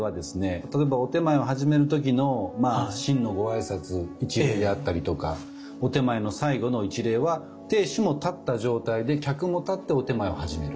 例えばお点前を始める時の「真」のご挨拶一礼であったりとかお点前の最後の一礼は亭主も立った状態で客も立ってお点前を始める。